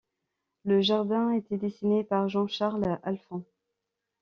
Le jardin était dessiné par Jean-Charles Alphand.